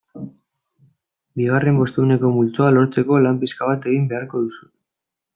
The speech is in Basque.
Bigarren bostehuneko multzoa lortzeko lan pixka bat egin beharko duzu.